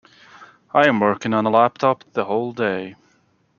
I am working on a laptop the whole day.